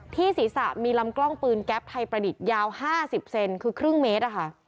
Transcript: ศีรษะมีลำกล้องปืนแก๊ปไทยประดิษฐ์ยาว๕๐เซนคือครึ่งเมตร